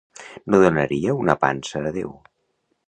No donaria una pansa a Déu.